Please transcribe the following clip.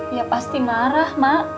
ya pasti marah mak